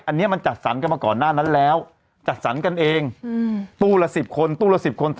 อันนี้มันจัดสรรกันมาก่อนหน้านั้นแล้วจัดสรรกันเองตู้ละ๑๐คนตู้ละ๑๐คน